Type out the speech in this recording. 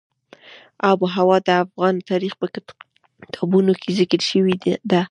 آب وهوا د افغان تاریخ په کتابونو کې ذکر شوې ده.